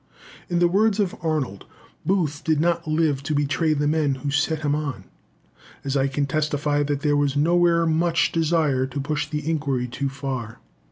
In the words of Arnold, Booth did not live to betray the men who set him on. And I can testify that there was nowhere much desire to push the inquiry too far.